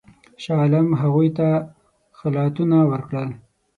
شاه عالم هغوی ته خلعتونه ورکړل.